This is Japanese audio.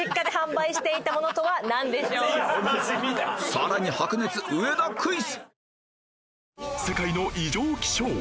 更に白熱上田クイズ！